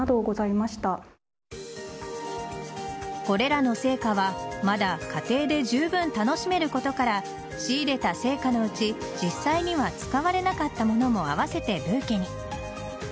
これらの生花はまだ家庭でじゅうぶん楽しめることから仕入れた生花のうち実際には使われなかったものもあわせてブーケに。